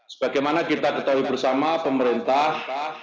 sebagaimana kita ketahui bersama pemerintah